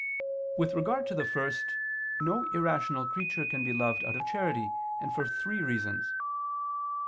With regard to the first, no irrational creature can be loved out of charity; and for three reasons.